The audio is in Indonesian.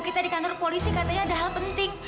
kita di kantor polisi katanya ada hal penting